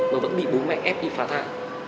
mà vẫn bị bố mẹ ép đi phá thai